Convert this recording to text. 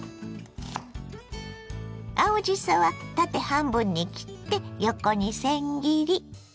青じそは縦半分に切って横にせん切り。